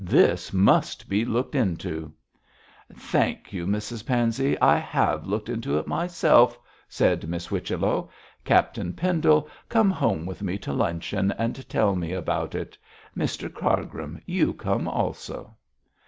'This must be looked into.' 'Thank you, Mrs Pansey, I have looked into it myself,' said Miss Whichello. 'Captain Pendle, come home with me to luncheon and tell me all about it; Mr Cargrim, you come also.'